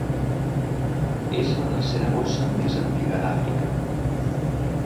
És la tercera borsa més antiga d'Àfrica.